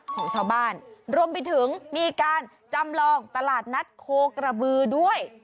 ของชาวบ้านรวมไปถึงมีการจำลองตลาดนัดโคกระบือด้วย